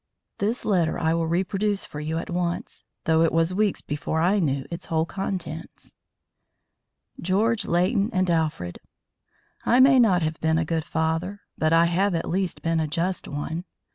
This letter I will reproduce for you at once, though it was weeks before I knew its whole contents: GEORGE, LEIGHTON, AND ALFRED: I may not have been a good father, but I have at least been a just one.